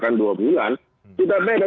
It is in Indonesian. itu sudah berbeda